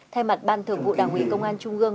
thay mặt ban thường vụ đảng ủy công an trung ương